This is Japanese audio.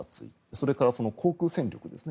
それから航空戦力ですね